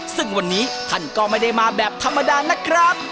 ซึ่งวันนี้ท่านก็ไม่ได้มาแบบธรรมดานะครับ